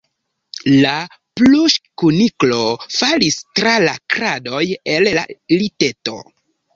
La pluŝkuniklo falis tra la kradoj el la liteto.